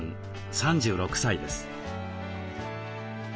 ３６歳です。